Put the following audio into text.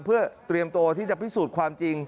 เพื่อเตรียมตัวที่จะพิสูจน์ความจริง